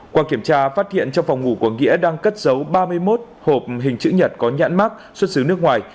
qua kiểm tra phát hiện trong phòng ngủ của nghĩa đang cất dấu ba mươi một hộp hình chữ nhật có nhãn mát xuất xứ nước ngoài